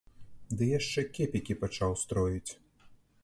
Ды яшчэ кепікі пачаў строіць.